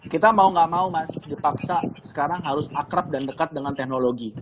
kita mau gak mau mas dipaksa sekarang harus akrab dan dekat dengan teknologi